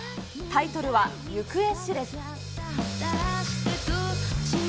タイトルは、行方知れず。